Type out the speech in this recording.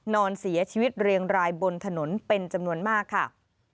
นอนเสียชีวิตเรียงรายบนถนนเป็นจำนวนมากค่ะ